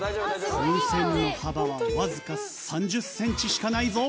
風船の幅はわずか３０センチしかないぞ。